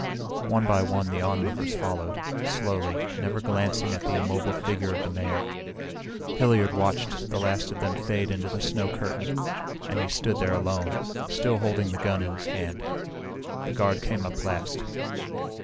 One by one, the onlookers followed, slowly, never glancing at the immobile figure of the Mayor. Hilliard watched the last of them fade into the snow curtain, and he stood there alone, still holding the gun in his hand. The guard came up at last.